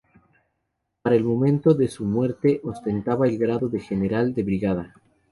Para el momento de su muerte ostentaba el grado de general de brigada.